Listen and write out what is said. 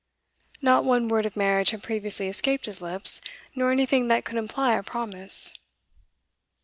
Not one word of marriage had previously escaped his lips, nor anything that could imply a promise.